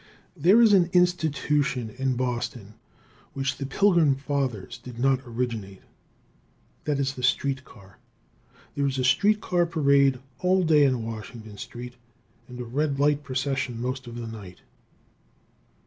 There is an institution in Boston which the Pilgrim Fathers did not originate. That is the street car. There is a street car parade all day on Washington street, and a red light procession most of the night.